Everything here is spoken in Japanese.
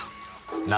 何。